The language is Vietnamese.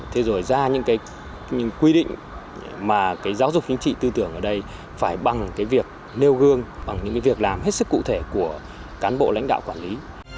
thế rồi ra những quy định mà giáo dục chính trị tư tưởng ở đây phải bằng việc nêu gương bằng những việc làm hết sức cụ thể của cán bộ lãnh đạo quản lý